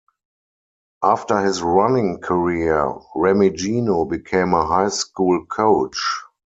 After his running career, Remigino became a high school coach.